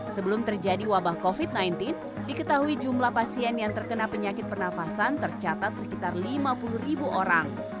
sebelum terjadi wabah covid sembilan belas diketahui jumlah pasien yang terkena penyakit pernafasan tercatat sekitar lima puluh ribu orang